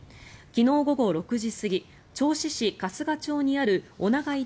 昨日午後６時過ぎ銚子市春日町にある尾永井